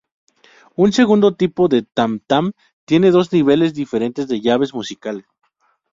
Un segundo tipo de tam-tam tiene dos niveles diferentes de llaves musicales.